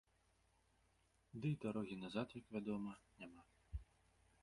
Дый дарогі назад, як вядома, няма.